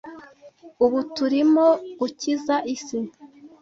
Ubu turimo gukiza isi